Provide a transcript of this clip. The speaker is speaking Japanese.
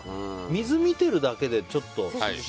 水見てるだけでちょっと。